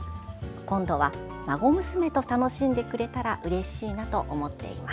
今度は孫娘と楽しんでくれたらうれしいなと思っています。